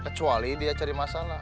kali ini dia cari masalah